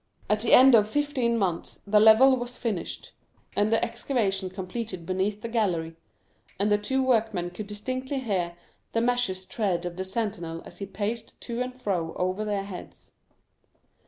At the end of fifteen months the level was finished, and the excavation completed beneath the gallery, and the two workmen could distinctly hear the measured tread of the sentinel as he paced to and fro over their heads.